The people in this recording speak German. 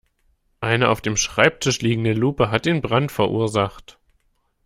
Eine auf dem Schreibtisch liegende Lupe hat den Brand verursacht.